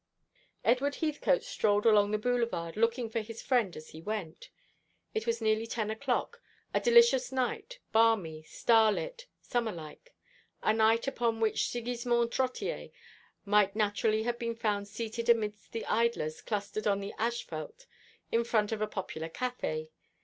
Edward Heathcote strolled along the Boulevard, looking for his friend as he went. It was nearly ten o'clock, a delicious night, balmy, starlit, summer like; a night upon which Sigismond Trottier might naturally have been found seated amidst the idlers clustered on the asphalte in front of a popular café.